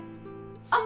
あっ！